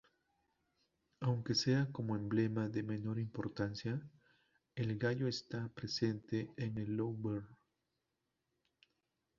Aunque sea como emblema de menor importancia, el gallo está presente en el Louvre.